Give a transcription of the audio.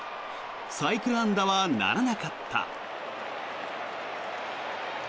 サイクル安打はならなかった。